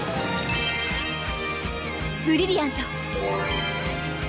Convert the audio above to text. ブリリアント！